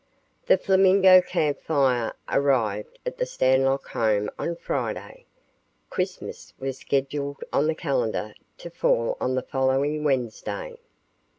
The Flamingo Camp Fire arrived at the Stanlock home on Friday. Christmas was scheduled on the calendar to fall on the following Wednesday.